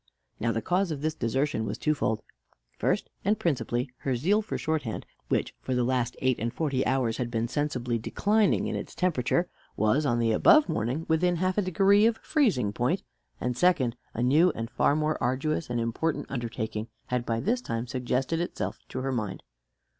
Now the cause of this desertion was twofold: first, and principally, her zeal for shorthand, which for the last eight and forty hours had been sensibly declining in its temperature, was, on the above morning, within half a degree of freezing point; and, second, a new and far more arduous and important undertaking had by this time suggested itself to her mind.